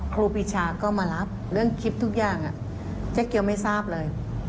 ครูปีชาก็มารับเรื่องคลิปทุกอย่างเจ๊เกียวไม่ทราบเลย